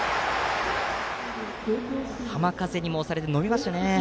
浜風にも押されて伸びましたね。